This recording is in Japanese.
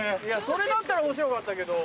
それだったら面白かったけど。